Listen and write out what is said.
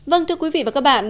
vâng thưa quý vị và các bạn